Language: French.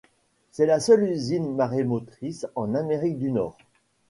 C’est la seule usine marémotrice en Amérique du Nord.